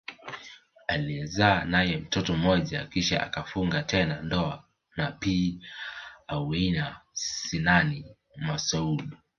Aliyezaa nae mtoto mmoja kisha akafunga tena ndoa na Bi Aweina Sinani Masoud